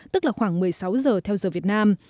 tức là khoảng một mươi sáu giờ theo giờ việt nam